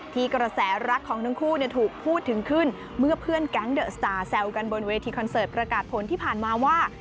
กระแสรักของทั้งคู่ถูกพูดถึงขึ้นเมื่อเพื่อนแก๊งเดอะสตาร์แซวกันบนเวทีคอนเสิร์ตประกาศผลที่ผ่านมาว่า